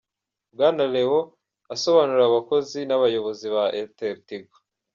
Bwana Leo asobanurira abakozi n'abayobozi ba AirtelTigo.